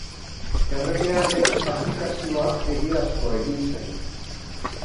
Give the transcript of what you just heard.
Erregearen abdikazioa egiazko egin zen.